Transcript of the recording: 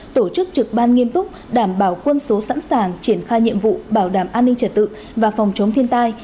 tổ chức trực ban nghiêm túc đảm bảo quân số sẵn sàng triển khai nhiệm vụ bảo đảm an ninh trật tự và phòng chống thiên tai